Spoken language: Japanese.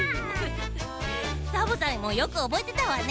サボさんもよくおぼえてたわね。